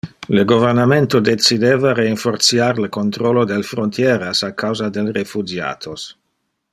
Le governamento decideva reinfortiar le controlo del frontieras a causa del refugiatos.